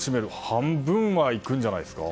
半分は行くんじゃないですか？